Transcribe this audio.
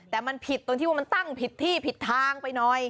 แต่มันผิดตรงที่ว่ามันตั้งผิดที่ผิดทางไปหน่อย